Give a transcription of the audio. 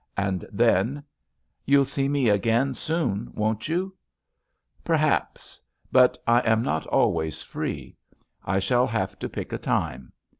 And then : "You'll see me again soon, won't you?" "Perhaps. But I am not always free. I shall have to pick a time.